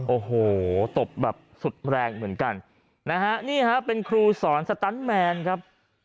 โอ้โหตบแบบสุดแรงเหมือนกันนะฮะนี่ฮะเป็นครูสอนสตันแมนครับ